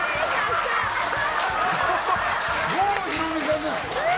郷ひろみさんです。